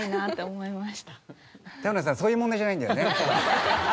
そういう問題じゃないんだよね？